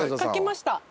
書きました。